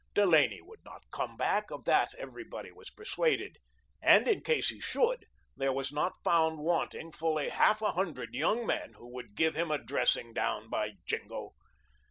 Delaney would not come back, of that everybody was persuaded, and in case he should, there was not found wanting fully half a hundred young men who would give him a dressing down, by jingo!